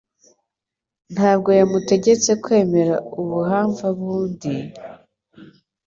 Ntabwo yamutegetse kwemera ubuhamva bw'undi,